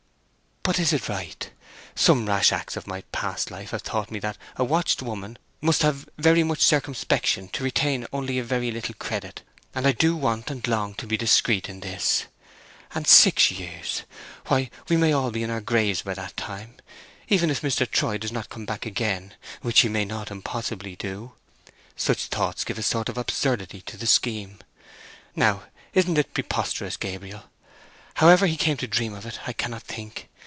"But is it right? Some rash acts of my past life have taught me that a watched woman must have very much circumspection to retain only a very little credit, and I do want and long to be discreet in this! And six years—why we may all be in our graves by that time, even if Mr. Troy does not come back again, which he may not impossibly do! Such thoughts give a sort of absurdity to the scheme. Now, isn't it preposterous, Gabriel? However he came to dream of it, I cannot think.